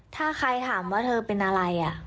ถ้าใครถามว่าเธอเป็นอะไร